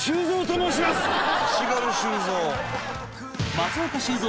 松岡修造